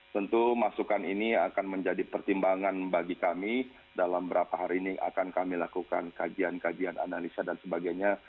tentu masukan ini akan menjadi pertimbangan bagi kami dalam beberapa hari ini akan kami lakukan kajian kajian analisa dan sebagainya